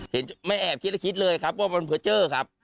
ไม่แอบคิดแล้วคิดเลยครับว่ามันเพอร์เจอร์ครับ